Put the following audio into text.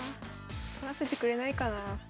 取らせてくれないかな。